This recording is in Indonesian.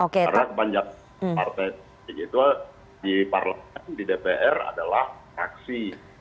karena kepanjangan partai jadi itu di parlemen di dpr adalah praksi